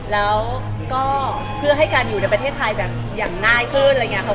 แล้วก็เพื่อให้การอยู่ในประเทศไทยแบบอย่างง่ายขึ้นอะไรอย่างนี้ค่ะ